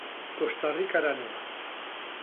Costa Ricara noa.